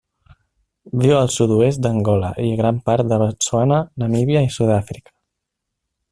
Viu al sud-oest d'Angola i gran part de Botswana, Namíbia i Sud-àfrica.